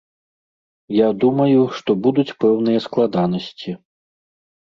Я думаю, што будуць пэўныя складанасці.